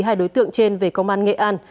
hai đối tượng trên về công an nghệ an